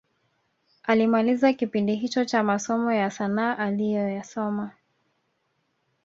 Alimaliza kipindi hicho cha masomo ya sanaa aliyoyasoma